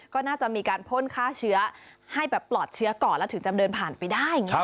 ก็น่าจะมีการพ่นฆ่าเชื้อให้แบบปลอดเชื้อก่อนแล้วถึงจะเดินผ่านไปได้อย่างนี้